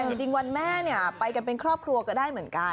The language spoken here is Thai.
แต่จริงวันแม่เนี่ยไปกันเป็นครอบครัวก็ได้เหมือนกัน